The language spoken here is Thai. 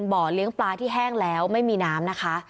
บ่อเลี้ยงปลาที่แห้งแล้วไม่มีน้ำนะคะ